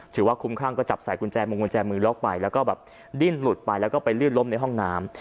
ถือว่าคุ้มครั่งก็จับใส่กุญแจมงกุญแจมือล็อกไปแล้วก็แบบดิ้นหลุดไปแล้วก็ไปลื่นล้มในห้องน้ำ